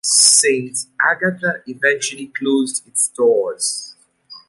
Saint Agatha's eventually closed its doors.